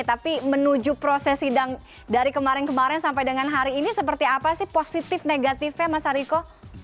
tapi menuju proses sidang dari kemarin kemarin sampai dengan hari ini seperti apa sih positif negatifnya mas hariko